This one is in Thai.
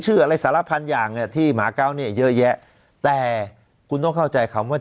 จีนเนี่ยแพร่กระจายขยาย